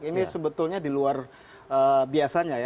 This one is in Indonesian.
ini sebetulnya di luar biasanya ya